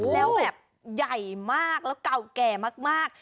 แล้วแบบใหญ่มากแล้วเก่าแก่มาก